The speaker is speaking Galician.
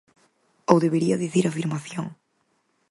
Ou debería dicir afirmación.